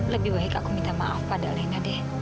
lebih baik aku minta maaf pada lena deh